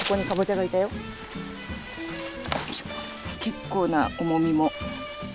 結構な重みも。